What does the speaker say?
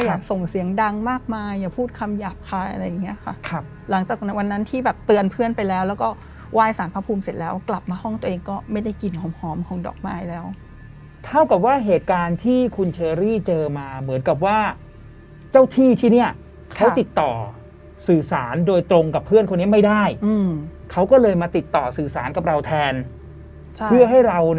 ส่งเสียงดังมากมายอย่าพูดคำหยาบคายอะไรอย่างเงี้ยค่ะครับหลังจากวันนั้นที่แบบเตือนเพื่อนไปแล้วแล้วก็ไหว้สารพระภูมิเสร็จแล้วกลับมาห้องตัวเองก็ไม่ได้กลิ่นหอมหอมของดอกไม้แล้วเท่ากับว่าเหตุการณ์ที่คุณเชอรี่เจอมาเหมือนกับว่าเจ้าที่ที่เนี่ยเขาติดต่อสื่อสารโดยตรงกับเพื่อนคนนี้ไม่ได้เขาก็เลยมาติดต่อสื่อสารกับเราแทนเพื่อให้เรา